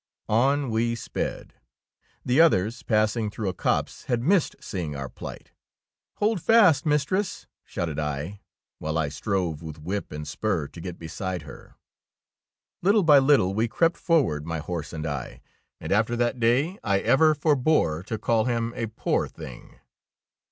On we sped; the others, passing through a copse, had missed seeing our plight. Hold fast, mistress,^^ shouted I, while I strove with whip and spur to get beside her. Little by little we crept forward, my horse and I, and after that day I ever forbore to call him a poor thing.